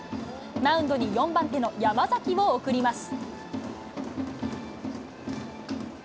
マウンドに４番手の山崎を送ります。